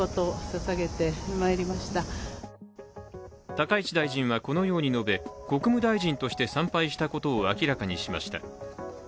高市大臣はこのように述べ、国務大臣として参拝したことを明らかにしました。